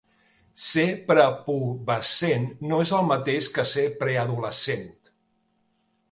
Ser prepubescent no és el mateix que ser preadolescent.